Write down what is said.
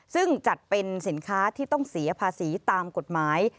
ซึ่งจัดเป็นสินค้าที่ต้องเสียภาษีตามกฎหมาย